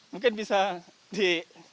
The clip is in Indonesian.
mungkin bisa di